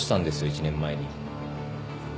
１年前に。